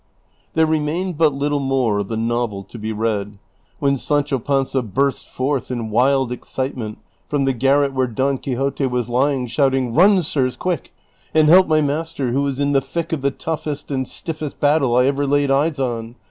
There remained, but little more of the novel to be read, when Sancho Panza burst forth in wild excitement from the garret where Don Quixote was lying, shouting, ''Run, sirs ! quick ; and help my master, who is in the thick of the toughest and stiffest battle I ever laid eyes on.